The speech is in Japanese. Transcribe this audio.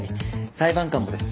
裁判官もです。